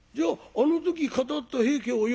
あの時語った『平家』をよ